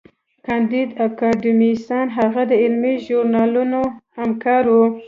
کانديد اکاډميسن هغه د علمي ژورنالونو همکار و.